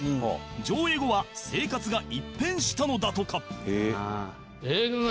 上映後は生活が一変したのだとか